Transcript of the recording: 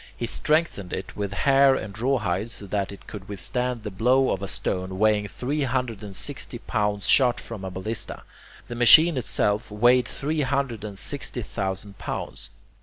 He strengthened it with hair and rawhide so that it could withstand the blow of a stone weighing three hundred and sixty pounds shot from a ballista; the machine itself weighed three hundred and sixty thousand pounds.